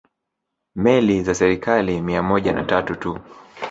Meli za serikali mia moja na tatu tu